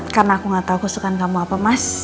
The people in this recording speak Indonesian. karena aku gak tau kesukaan kamu apa mas